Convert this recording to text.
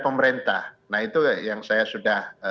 pemerintah nah itu yang saya sudah